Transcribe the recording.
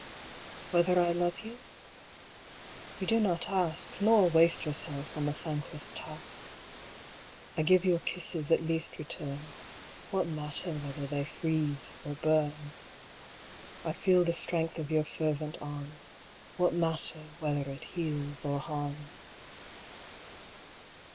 Whether I love you? You do not ask, Nor waste yourself on the thankless task. I give your kisses at least return, What matter whether they freeze or burn. I feel the strength of your fervent arms, What matter whether it heals or harms.